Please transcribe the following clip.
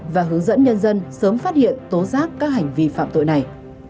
và hướng dẫn nhân dân sớm phát hiện tố giác các hành vi phạm tội này